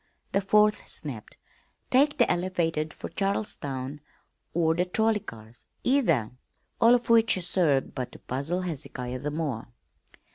The fourth snapped: "Take the elevated for Charlestown or the trolley cars, either;" all of which served but to puzzle Hezekiah the more.